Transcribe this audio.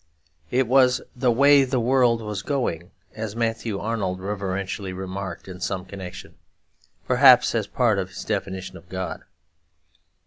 It was 'the way the world was going,' as Matthew Arnold reverentially remarked in some connection; perhaps as part of a definition of God.